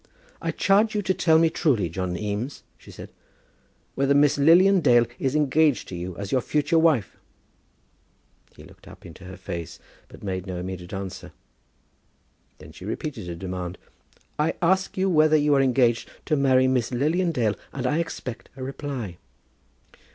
"I charge you to tell me truly, John Eames," she said, "whether Miss Lilian Dale is engaged to you as your future wife?" He looked up into her face, but made no immediate answer. Then she repeated her demand. "I ask you whether you are engaged to marry Miss Lilian Dale, and I expect a reply."